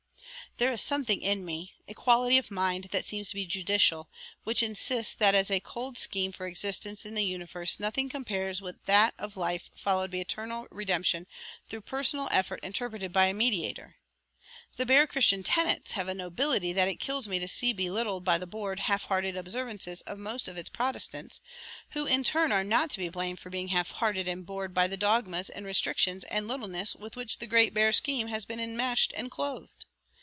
"There is something in me, a quality of mind that seems to be judicial, which insists that as a cold scheme for existence in this universe nothing compares with that of life followed by eternal redemption through personal effort interpreted by a mediator. The bare Christian tenets have a nobility that it kills me to see belittled by the bored, half hearted observances of most of its protestants, who in turn are not to be blamed for being half hearted and bored by the dogmas and restrictions and littleness with which the great bare scheme has been enmeshed and clothed.